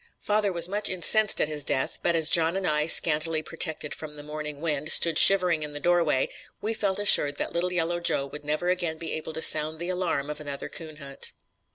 "Father was much incensed at his death, but as John and I, scantily protected from the morning wind, stood shivering in the doorway, we felt assured that little yellow Joe would never again be able to sound the alarm of another coon hunt."